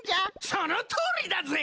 そのとおりだぜ！